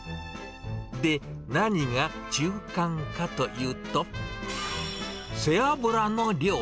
で、何が中間かというと、背脂の量。